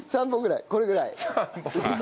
これぐらい。